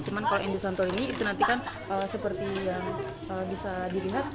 cuman kalau yang di santorini itu nanti kan seperti yang bisa dilihat